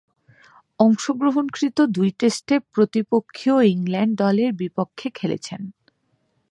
অংশগ্রহণকৃত দুই টেস্টে প্রতিপক্ষীয় ইংল্যান্ড দলের বিপক্ষে খেলেছেন।